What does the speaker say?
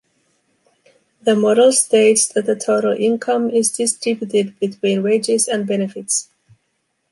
The model states that the total income is distributed between wages and benefits.